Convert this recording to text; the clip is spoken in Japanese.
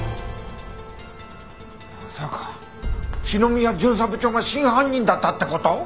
まさか篠宮巡査部長が真犯人だったって事！？